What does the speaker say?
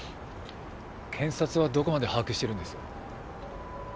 検察はどこまで把握してるんです？